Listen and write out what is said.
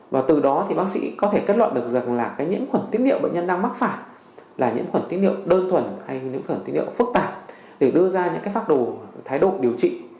và từ đó thì bác sĩ có thể kết luận được rằng là cái nhiễm khuẩn tín niệm bệnh nhân đang mắc phải là nhiễm khuẩn tín niệm đơn thuần hay nhiễm khuẩn tín niệm phức tạp để đưa ra những pháp đồ thái độ điều trị